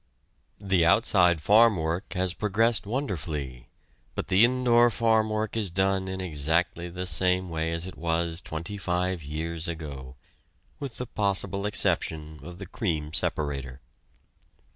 The outside farm work has progressed wonderfully, but the indoor farm work is done in exactly the same way as it was twenty five years ago, with the possible exception of the cream separator.